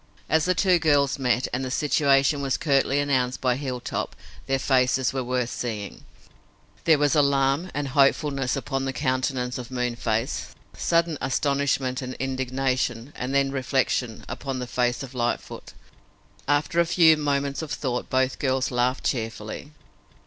As the two girls met, and the situation was curtly announced by Hilltop, their faces were worth the seeing. There was alarm and hopefulness upon the countenance of Moonface, sudden astonishment and indignation, and then reflection, upon the face of Lightfoot. After a few moments of thought both girls laughed cheerfully.